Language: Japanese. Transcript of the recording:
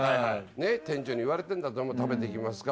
店長に言われてんだったら「食べていきますか？